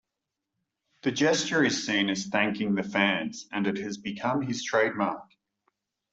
The gesture is seen as thanking the fans and it has become his trademark.